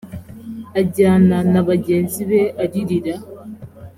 ajyana na bagenzi be aririra